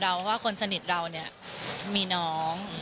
ว่าคนสนิทเราเนี่ยมีน้อง